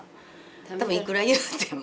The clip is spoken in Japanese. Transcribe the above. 多分いくら言うても。